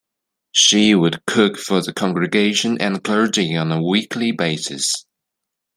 She would cook for the congregation and clergy on a weekly basis.